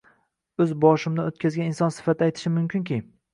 O‘z boshimdan o‘tkazgan inson sifatida aytishim mumkinki